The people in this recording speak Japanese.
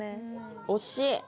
惜しい。